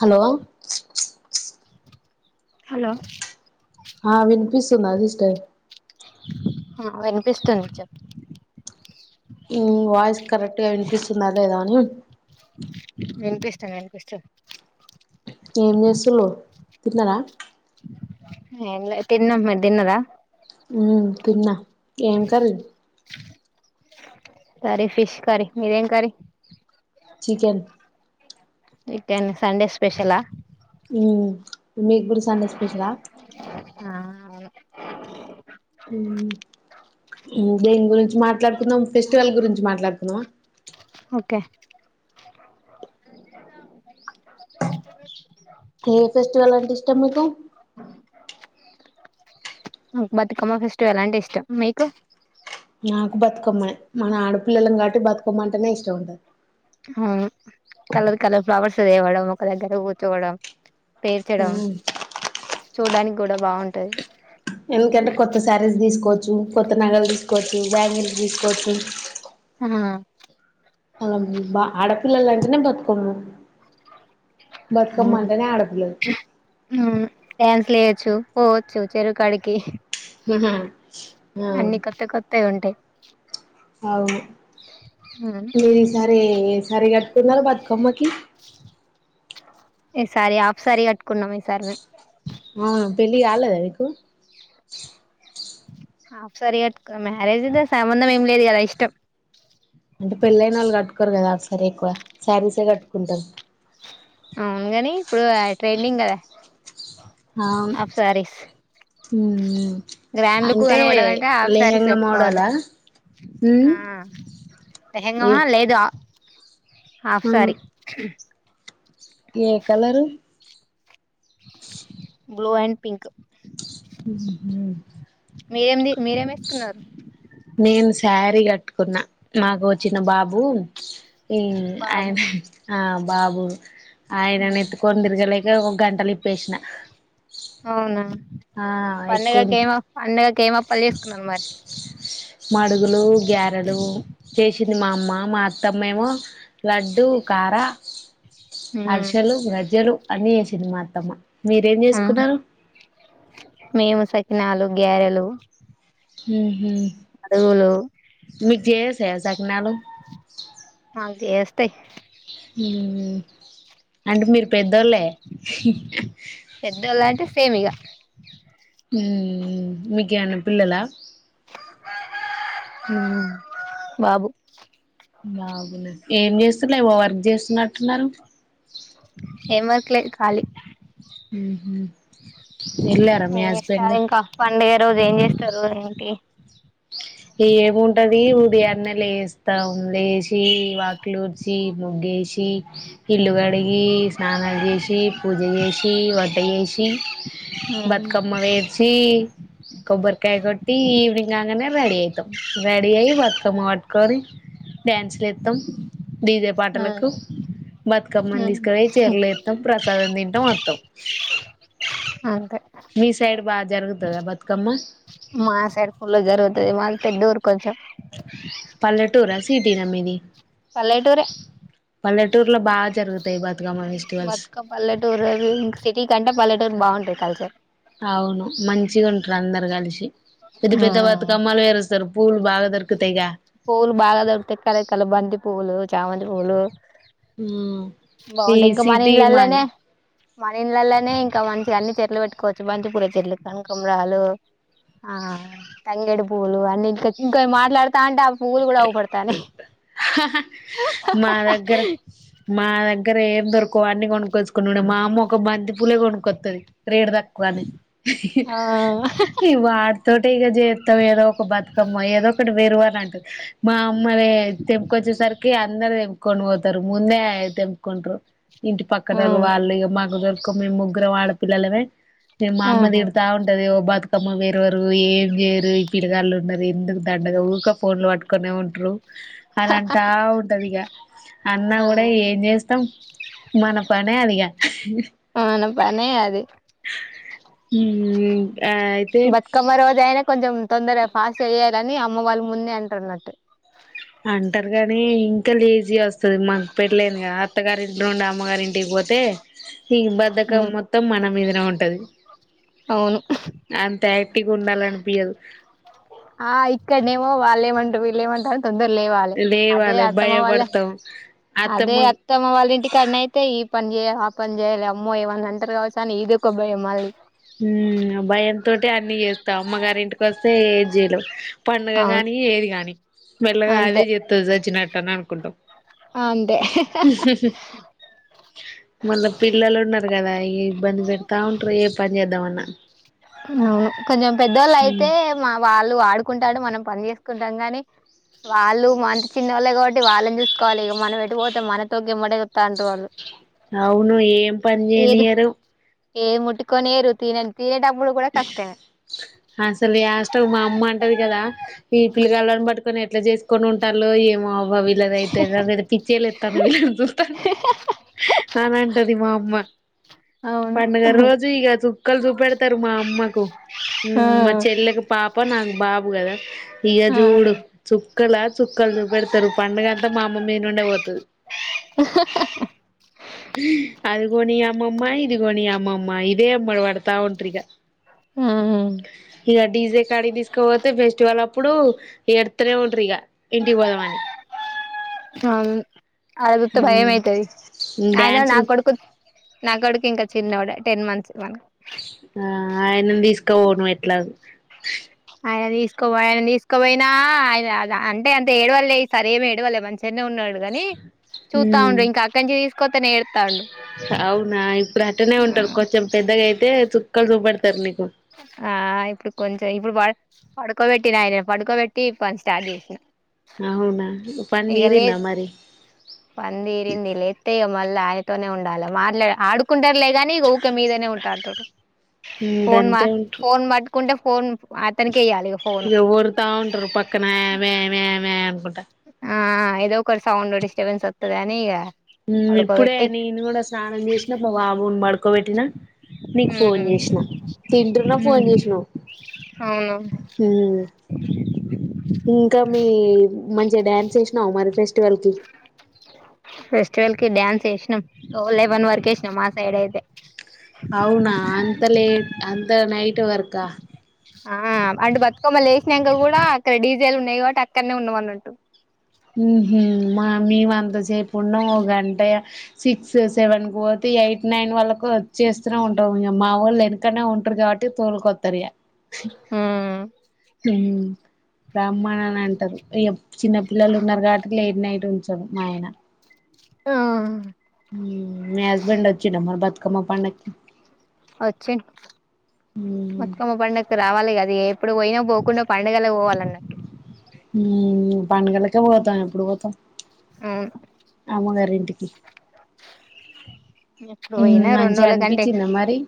Hello [inaudible] hello ఆ వినిపిస్తున్నది ఇష్టే ఆ వినిపిస్తుంది చెప్పు నీ వాయిస్ కరెక్ట్ గా వినిపిస్తుందా లేదా అని ఎంత ఇష్టం ఎంత ఇష్టం ఏం చేస్తుర్రు తిన్నారా ఎం లేదు తిన్నమ్ మీరు తిన్నరా ఉ తిన్న ఏం కర్రి సరే ఫిష్ కరీ మీదేం curry chicken weekend Sunday special ఉమ్ ఆ అలాగే బెంగుల్ మాట్లాడుకుందాం ఫెస్టివల్ గురించి మాట్లాడుకుందామా [inaudible] ఓకే ఏ ఫెస్టివల్ అంటే ఇష్టం మీకు బతుకమ్మ ఫెస్టివల్ అంటే ఇష్టం మీకు నాకు బతుకమ్మనే మనం ఆడపిల్లలం కాబట్టి బతుకమ్మ అంటేనే ఇష్టం ఉంటది ఉ కలర్ కలర్ ఫ్లవర్స్ తేవడం ఒక దగ్గర కూర్చోవడం పేర్చడం మ్మ్ చూడ్డానికి కూడా బావుంటది ఎందుకంటే కొత్త శారీస్ తీసుకోవచ్చు కొత్త నగలు తీసుకోవచ్చు బ్యాంగిల్స్ తీసుకోవచ్చు ఆ అలా బా ఆడ పిల్లలంటనే బతుకమ్మ బతుకమ్మ అవును అంటేనే ఆడపిల్లలు అవును ట్రాన్స్‌లేట్ చో పోవోచ్చు చెరువ్ కాడికి అన్ని కొత్త కొత్తయి ఉంటాయి [inaudible] అవు మీది సరే సరిగా వెళ్లేరా బతుకమ్మకి ఈసారి హాఫ్ శారీ కట్టుకున్నాం ఈ సారి ఆ పెళ్ళి కాలేదా మీకు హాఫ్ శారీ గట్టుకున్నాం మ్యారేజ్ లో సంబంధం ఏం లేదు ఇలా ఇష్టం అంటే పెళ్ళైన వాళ్ళు కట్టుకోరు కదా హాఫ్ శారీ ఎక్కువ శారీసే కట్టుకుంటారు అవును గాని ఇప్పుడు ట్రైనింగ్ కదా అవును ఆఫ్ సారీస్ ఉమ్ గ్రాండ్ లుక్ అంటే కనపడాలంటే ఆఫ్ సారీస్ లెహంగా కట్టుకోవాలే మోడలా ఉమ్ ఏ అహంగమా లేదు హ హాఫ్ ఆ శారి ఏ కలరు బ్లూ అండ్ పింక్ హు హు మీరేమిది మీరేమి వేసుకున్నారు నేను శారీ కట్టుకున్న మాకు ఒకచ్చిన బాబు ఈ అ బాబు ఆ బాబు ఆయన ని ఎత్తుకొని తిరగలేక ఒక గంటలో లేసిన అవునా ఆ ఎక్కువ పండగకి ఏమ పండగకి ఏం అప్పలు చేసుకున్నారు మరి మడుగులు గ్యారెలు చేసింది మా అమ్మ మా అత్తమ్మేమో లడ్డు కార హర్షలు గజ్జలు అన్ని చేసింది మా అత్తమ్మ మీరేం చేసుకున్నారు మేము సకినాలు గారెలు హు హు మీ జయస్త్యా సకినాలు మా కు జయస్తయి ఊ అంటే మీరు పెద్దోళ్ళే సేమిగా ఉ నీకేమన్నా పిల్లాల ఊ బాబు బాగున్నా ఏం చేస్తలే ఏవో వర్క్ చేస్తున్నట్టున్నారు ఎం వర్కులే ఖాళీ ఎల్లార మీ ఏం చేస్తారు హస్బెండ్ ఇంకా పండుగ రోజు ఏం చేస్తారు ఏంటి ఏముంటది ఉదియాన్నే లేస్తాం లేచి వాకులుడ్చి ముగ్గేసి ఇ ఇల్లు కడిగి స్నానాలు చేసి పూజ చేసి వంట చేసి బతుకమ్మ పేర్చి కొబ్బరికాయ కొట్టి ఈవనింగ్ ఆంగనే బాడి అయిది రెడీ అయి బతుకమ్మ పటుకొని డ్యాన్స్లు ఇస్తాం ఆ డీజేపాటలకు బతుకమ్మని తీసుకు చీరలు వస్తాం ప్ర ద తింటా మొత్తం అకా మీ సాైడ్ బజారగు త బతుకమ్మా మా సైడ్ ఫుల జరుగుతుది మాళ పెద్దఊరు కొంచెం రా సిటీ నమ్మీది పల్లెటూర పల్లెటూరులో బాగా జరుగుతుంది మతుకం పల్లెటూరు ఇం సిటీ కంటే పల్లెటూరు బాగుంటుంది కాల్ స అవును మంచిగా ఉంటారు అందరు కలిసి పెద్ద పెద్ద బతుకమ్మలు వేరేస్తారు పూల్ బా పోోలు బాగా ద తె కరకల్ బంద పూలు చామంతి పూలు ఈ మన సిటీ ఇండ్లల్లనే మాది మన ఇళ్లలోనే ఇంకా మంచి అన్ని చెర్లు పెట్టుకోవచ్చు మంచి పూర చెర్లు కనుకుమరాలు ఆ తంగేడి పూలు అన్ని ఇంకా మాట్లాతా అంటే ఆ పు్వులు కూడా అవుపడతానయి మా దగ్గర మా దగ్గర దగ ఏం దొరకో అన్ని కొనుక్కోచ్చున్నాండి మా అమ్మ ఒక మంతి పూలే కొనుక్కొ కది రేడు తక్కువనే ఆ ఈ వాడుతో చేస్తాం ఏదో ఒక బతుకమ్మ ఏదో ఒకటి వేరు అని అంటది బా మమ్మల్ తెంకొచ్చేసరికి అందరు తె కకం పోతారు ముందే తెంకొు ఇంటి ఆ పక్కన వాళ్ళు మాకు ద మేము ముగ్గురుం ఆడపిల్లలమే మా అమ్మ ఆహా దిడుతా ఉంటది ఓ బతుకమ్మ వే రు ఏం చేయరు ఈ పిల్లగాళ్లు ఉన్నారు ఎందుకు దండగా ఊ ఫోన్ లో పట్టు అక్కనే ఉంట్రరు అని అంటా ఉంటది ఇక అన్నా ఆ కూడా ఏం చేస్తాం మన పనే అదిక మన పనే అది హ బతుకమ్మ రోజయినా కొంచెం తొందరగా ఫాస్ట్ చేయాలని అమ్మ వాళ్ళు ముందే అంటున్నట్టు అంటారు కానీ ఇంకా లేజీ వస్తది మకు పెల్లిందిగా త్తగార ఇంటి ఉం అమ్గారి ఇంటికి పోతే తే హి బద్దకం మొత్తం మన మీద ఆ ఉంటది అవును టిిగుండాల అనిపీయదు వాల్లే మంట వీల్లేమంట తొందర లేవాలి అదే లేవాలి అత్తమ్మ వాళ్ళ భయపడతాం అదే అత్తమ్మ వాళ్ళ ఇంటికన్నాయితే ఈ ఈ పని చేయాలి ఆ పని చేయాలి అమ్మో ఏమన్నా అంటర్ కావచ్చు అని ఇదొక భయం మళ్ళీ హ్మ్ ఆ భయంతోటే అన్ని చేత్తా అమ్మగారి ఇంటికి వస్తే ఏది చేయలేం పండుగ అవును కాని ఏది గాని మెల్లగా అదే అంతే చేస్తది సచ్చినట్టు తని అనుకుంటాం అంతే మళ్ళా పిల్లలు ఉన్నారు కదా ఈ బంద్ పెడతా ఉంట్రు ఏ పని చేద్దామన్నా అవును కొంచెం పెద్దోళ్ళు అయితే మా వాళ్ళు ఆడు కుంటాడు మనం పని చేసుకుంటాం కాని వాళ్ళు మనంత చిన్నోళ్ళే కాబట్టి వాళ్ళని చూసుకోవాలి ఇగ మనం ఎటుపోతే మనతోక గిమ్మటే వత్తాండ్రు వాళ్ళు అవును ఏం పని ఏది చేయనీయరు ఏ ముట్టుకోనినీయరు తిన తినేటపుడు అసలు యాష్టకు మా అమ్మ అంటది గదా ఈ పిల్లగాళ్ళని పట్కొని ఎట్లా చేసుకొని ఉంటాలో ఏమో మావవీళ్లదైతే నా పిచ్చేలేత్తం మిమల్ని చూస్తంటే అని అంటది మా అమ్మ అవును పండగ రోజు ఇక చుక్కలు చూపెడత్ తరు మా అమ్మకు ఆ హ్మ్ మా చెల్లెకు పాప నాకు బాబు గదా ఇగ ఆ చూడు చుక్కలా చుక్కలు చూపెడతరు పండగ అంతా మా అమ్మ మీద నుండే పోతది. అది కొనీ అమ్మమ్మ ఇది కొని అమ్మమ్మ ఇదే ఎమ్మట పడతా ఉం త్రిగ ఇగ డిజే కాడికి తీసుకపోతే ఫెస్టివల్ అప్ ఇప్పుడు ఏడుత్తనే ఉంటరు ఇక ఇంటికి పోదామని కాదు ఆడ జూత్తే భయమైతది అయిన నా డ్యాన్సులు కొడుకు నాకొడుకింకా చిన్నోడే టెన్ మంత్స్ వాన్ ఇక పోను ఎట్లా ఆయన తీసుకపో ఆయన తీసకపోయినా ఆయన అంటే అంత ఏడవలే ఈ సారేమి ఏడవలే మంచిగానే ఉన్నాడు గనీ చూత్తా ఉండు ఇంక అక్కడి నుంచి తీసుకొత్తేనే ఏడుత్తాండు ఇపుడు అట్టనే ఉంటారు కొంచెం పెద్ద అయితే చుక్కలు చూపడతారు నీకు ఆ ఇప్పుడు కొంచెం ఇప్పుడు వా పడుకోబెట్టి నాయన పడుకోబట్టి పని స్టార్ట్ చేసా అవునా పందిరిందా మరి పందీరింద లే ఎత్తయ మల్ళ ఆ ఉండాల మా ఆడుకుంటలే కానీ ఊక మీదనే ఉంటారు ఫోన్ మా ఫోన్ మట్కుంటే ఫోన్ అతనికి ఎయ్యాలి ఇగ ఫోన్ ఈగ వర్రత ఉంత్రు పక్కన వే వే వే అనుకుంట ఆ ఏదో ఒకర్ సౌండ్ డిస్టబెస్ వస్తుద అనినీ ఈగ ఇప్పుడే నేను కూడా స్నానం చేసినా మా బాబుని పడుకోబెట్టినా నీకు ఫోన్ చేసిన తింటున్నా ఫోన్ చేసినావు అవును ఇంకా మీ మంచిగా డ్యాన్స్ చేేసినావు మరి ఫెస్టివల్ కి ఫస్ట్వల్ కి డన్ వేసినాం లెవెన్ వరకు వేసినాం మా సైడ్ అయితే అవునా అంత లేట్ అంత నైట్ వర్కా ఆ అంట బతుకమ్మలు లేసినాయాంకలు కూడా అక్కడ డీజేల్ ఉన్నాయి కాబట్టి అక్కడనే ఉన్నాం అన్నట్టు హ్ం హు హ్ం మా మేమ అంతసేపు ఉన్నా ఓ గంట సిక్స్ సెవెన్ కు పోతే ఎయిట్ నైన్ వళ్ళకు వచ్చేస్తనే ఉంటాము ఇంక మా వాళ్ళు వెనకనే ఉంటారు కాబట్టి తోలుకొస్తారు ఇక ఆ హ బ్రాహ్మణ అంటారు చిన్నప్పు ఉన్నారు కాబట్టి లేదు నైట్ ఉంచదు మా ఆయన మ హస్బెండ్ వచ్చి నబ బ అకమ పండకి వచ్చిండ్ ఉమ్ బతుకమ్మ పండుగకు రావాలి కద ఏ ఇప్పుడు పోయినా పోకుండా పండడుగలా పోవాలగ ఇప్పుడే పోతాం ఎప్పుడు పోతాం అవును అమ్మగారిన్ అటిక ఎప్పుడు పోయినా రెండు మంచిగ రోజుల కంటే అనిపించిందా మరి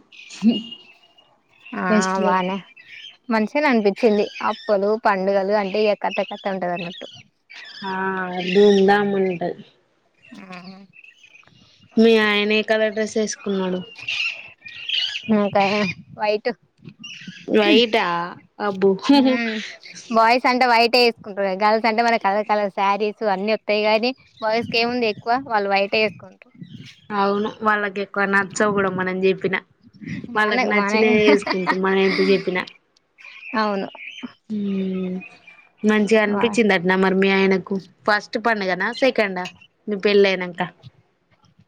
ఆ ఫెస్టివల్ బానే మంచిగనె అనిపి వచ్చింది అప్పులు పండుగలు అంటె ఎ కత్త ఎ కత్త ఉంటది అన్నట్టు హా ధూమ్ దామ్ ఉంటది ఆ మీ ఆయన ఏ కలర్ డ్రెస్ ఏసుకున్నాడు నాకా వైట్ వైట అబ్బు గల్స్ అంటె మన కలర్ కలర్ శారీస్ అన్ని వత్తాయి కాని బాయ్స్ ఇంకేముంది ఎక్కువ వాళ్లు వయటే ఎక్కువంది అవును వాళ్ళకి ఎక్కువ నచ్చవు కూడ మనం చెప్పిన మన వాళ్ళకి మన నచ్చిన వేసుకుంటు మన ఎంత చెప్పినా అవును హు మంచిగ అనిపించింది అటనా మరి మీ ఆయనకు ఫస్ట్ పండుగన సెకండా మీ పెళ్ళి అయినంక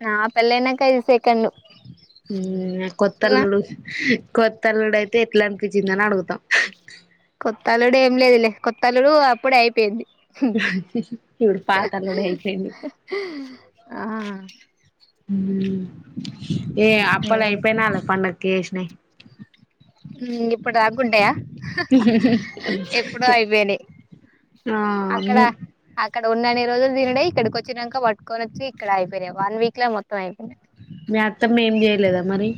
నా పెళ్లయినంక ఇది సెకండు హు కొత్తల్లుడ్లు కొత్తల్డు అయితె ఎట్లానిపించిందని అడుగుతాం కొత్త అల్లుడు ఏం లేదులె కొత్తల్లుడు అప్పుడె అయిపోయింది ఇవుడు పాతల్లుడె అయిపోయిండు ఆ హూ ఏ అప్పలేయిపోయిన అలా పండక్కేషణం కుంటయ అక్కడ ఆ అక్ ఇక్కడ ఉన్నన్ని రోజులు తినుడె ఇక్కడికి వచ్చినంక పట్టుకొని వచ్చి ఇక్కడైపోయినయి వన్ వీక్ లొ మొత్తం అయిపోయినాయి మీ అత్తమ్మ ఏం చేయలేద మరి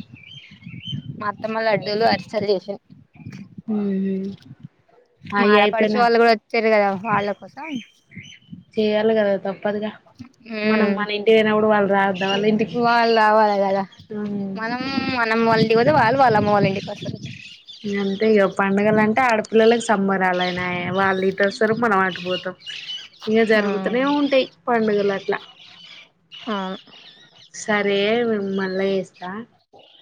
మా అత్తమ్మ లడ్డూలు అరిసెలు చేసింది హు అయి అయిపోయినంక పెరగదా వాళ్ళ కోసం చెయ్యాలి కదా తప్పు వాళ్ళు రావద్దా వాళ్ళ ఇంటికి ఉ వా వాళ్ రావాలి గదా మనం మనమ్మోల్ ఇంటికి పోతె అది వాళ్ వాళ్ళమ్మ వాళ్ళ ఇంటికి వస్తరు ఇంగంతె ఇగ పండగలంటె ఆడపిల్లలకి సంబరా వాళ్ళయినయి వాళ్ నీతో సం రు మనం ఆటుపోతాం ఇక ఆ జరుగుతూనే ఉంటాయి పండుగల లా ఆ మళ్ళా చేస్తా అఓ